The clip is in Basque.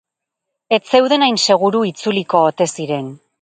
Ez zeuden hain seguru itzuliko ote ziren.